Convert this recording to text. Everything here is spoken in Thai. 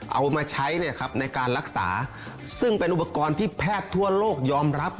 เอามาใช้เนี่ยครับในการรักษาซึ่งเป็นอุปกรณ์ที่แพทย์ทั่วโลกยอมรับ